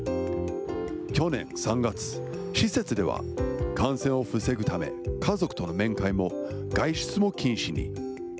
去年３月、施設では、感染を防ぐため、家族との面会も外出も禁止に。